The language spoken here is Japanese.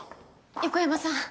横山さん